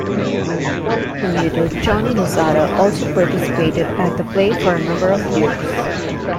Former Menudo Johnny Lozada also participated at the play for a number of years.